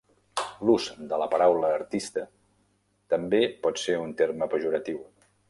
L'ús de la paraula "artiste" també pot ser un terme pejoratiu.